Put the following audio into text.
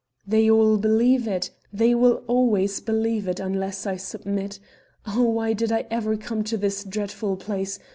"They all believe it; they will always believe it unless I submit Oh, why did I ever come to this dreadful place?